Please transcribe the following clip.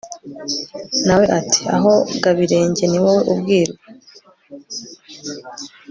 na we ati «aho gabirenge ni wowe ubwirwa»